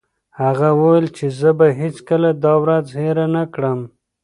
هغه وویل چې زه به هیڅکله دا ورځ هېره نه کړم.